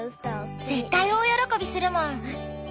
絶対大喜びするもん。